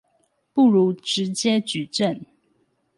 不如直接舉證